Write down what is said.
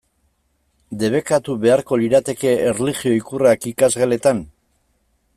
Debekatu beharko lirateke erlijio ikurrak ikasgeletan?